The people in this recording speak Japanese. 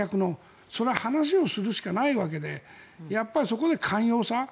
それは話をするしかないわけでそこで寛容さ